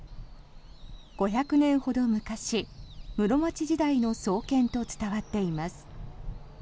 ５００年ほど昔室町時代の創建と伝わっています。